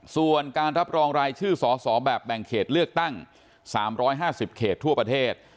ส่วนการรับรองรายชื่อสอสอแบบแบ่งเขตเลือกตั้ง๓๕๐เขตทั่วประเทศ